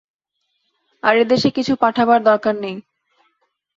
আর এদেশে কিছু পাঠাবার দরকার নাই।